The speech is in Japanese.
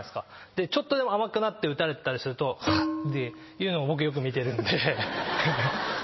ちょっとでも甘くなって打たれたりするとハァっていうのを僕よく見てるんで。